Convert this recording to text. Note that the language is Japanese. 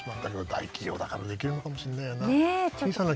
大企業だからできるのかもしれないよな。